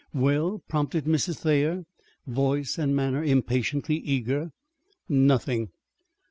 "Well?" prompted Mrs. Thayer, voice and manner impatiently eager. "Nothing."